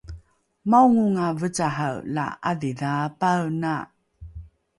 maongonga vecahae la ’adhidhaapaena